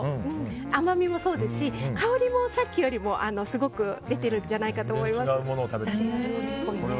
甘みもそうですし香りもさっきよりもすごく出ているんじゃないかと思います。